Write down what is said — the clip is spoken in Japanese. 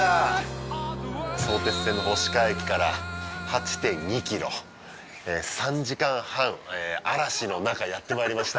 相鉄線の星川駅から８．２ｋｍ３時間半嵐の中やってまいりました